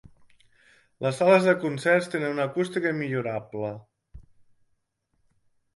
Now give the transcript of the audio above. Les sales de concerts tenen una acústica immillorable.